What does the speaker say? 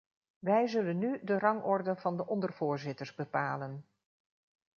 Wij zullen nu de rangorde van de ondervoorzitters bepalen.